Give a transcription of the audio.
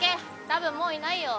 たぶんもういないよ。